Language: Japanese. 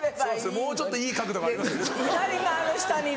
もうちょっといい角度がありますよね。